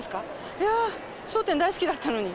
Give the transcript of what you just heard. いやー、笑点大好きだったのに。